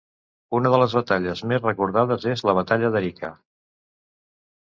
Una de les batalles més recordades és la Batalla d'Arica.